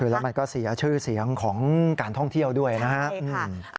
แล้วมันก็เสียชื่อเสียงของการท่องเที่ยวด้วยนะครับ